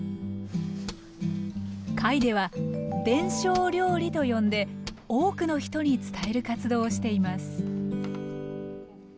会では「伝承料理」と呼んで多くの人に伝える活動をしています